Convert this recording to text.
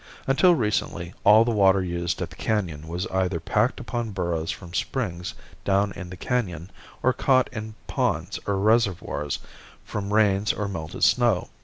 Until recently all the water used at the canon was either packed upon burros from springs down in the canon or caught in ponds or reservoirs from rains or melted snow.